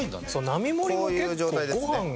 並盛も結構ご飯が。